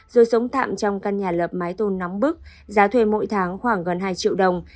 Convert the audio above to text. rồi sống tạm trong căn nhà lập mái tôn nóng bức giá thuê mỗi tháng khoảng gần hai triệu đồng